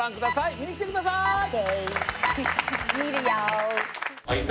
見に来てください見るよ